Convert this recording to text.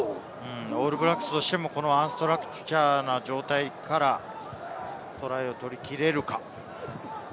オールブラックスとしてもアンストラクチャーな状態からトライを取り切れるか。